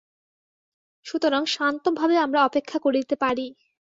সুতরাং শান্তভাবে আমরা অপেক্ষা করিতে পারি।